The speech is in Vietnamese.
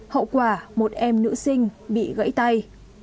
hậu quả một em nữ sinh bị gãy tay